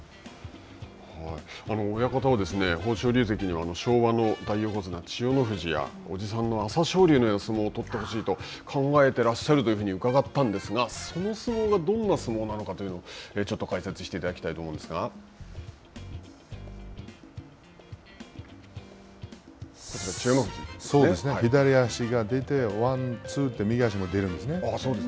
親方は、豊昇龍関には昭和の大横綱千代の富士やおじさんの朝青龍のような相撲を取ってほしいと考えていらっしゃるというふうに伺ったんですが、その相撲がどんな相撲なのかというのを、ちょっと解説していただきたいと思うん左足が出てワンツーって右足が出るんですね。